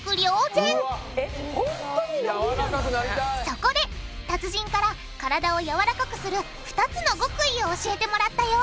そこで達人からからだをやわらかくする２つの極意を教えてもらったよ！